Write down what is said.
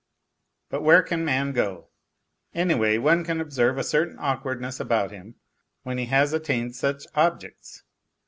But where can man go ? Anyway, one can observe a certain awkwardness about him when he has attained such objects.